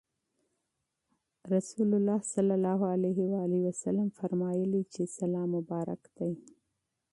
رسول الله صلی الله عليه وسلم فرمایلي چې سلام مبارک دی.